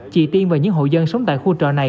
chị tiên và những hộ dân sống tại khu chợ này